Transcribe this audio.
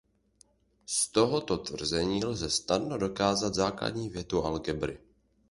Z tohoto tvrzení lze snadno dokázat základní větu algebry.